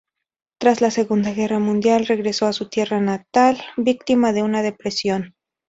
Tras la Segunda Guerra Mundial regresó a su tierra natal víctima de una depresión.